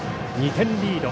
２点リード。